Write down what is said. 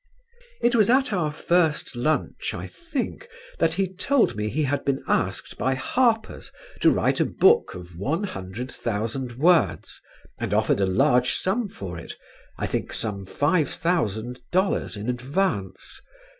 It was at our first lunch, I think, that he told me he had been asked by Harper's to write a book of one hundred thousand words and offered a large sum for it I think some five thousand dollars in advance.